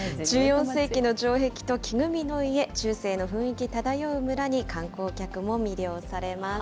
１４世紀の城壁と木組みの家、中世の雰囲気漂う村に、観光客も魅了されます。